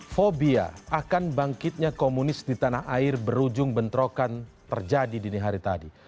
fobia akan bangkitnya komunis di tanah air berujung bentrokan terjadi dini hari tadi